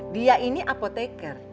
dia ini apoteker